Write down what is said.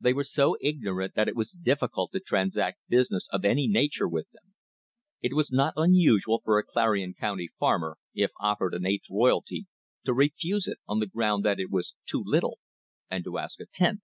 They were so ignorant that it was difficult to transact business of any nature with them. It was not unusual for a Clarion County farmer, if offered an eighth royalty, to refuse it on the ground that it was too little, and to ask a tenth.